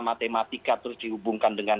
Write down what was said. matematika terus dihubungkan dengan